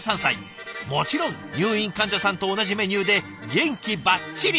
もちろん入院患者さんと同じメニューで元気バッチリ！」